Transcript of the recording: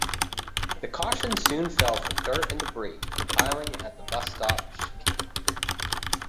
The caution soon fell for dirt and debris compiling at the bus stop chicane.